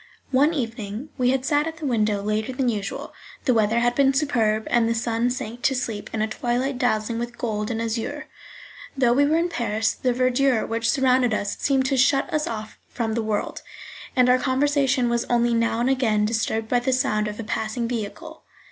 One evening we had sat at the window later than usual; the weather had been superb, and the sun sank to sleep in a twilight dazzling with gold and azure. Though we were in Paris, the verdure which surrounded us seemed to shut us off from the world, and our conversation was only now and again disturbed by the sound of a passing vehicle.